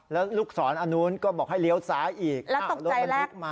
แล้วลูกศรอันนู้นก็บอกให้เลี้ยวซ้ายอีกแล้วตกใจแล้ว